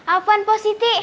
afuan pak siti